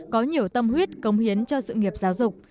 có nhiều tâm huyết công hiến cho sự nghiệp giáo dục